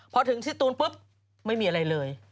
พอถึงที่ตูนปุ๊บไม่มีอะไรเลย